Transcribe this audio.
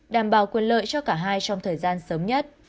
đảm bảo quyền lợi cho cả hai trong thời gian sớm nhất